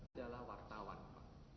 dalam wartawan pak